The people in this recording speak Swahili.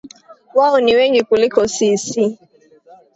Wao ni wengi kuliko sisi